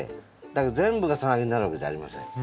だけど全部がサナギなるわけじゃありません。